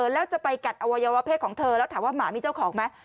แล้วจะไปกัดอวัยวะเพศของเธอแล้วถามว่าหมามีเจ้าของไหม